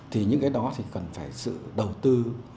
thì những cái đó thì cần phải sự đầu tư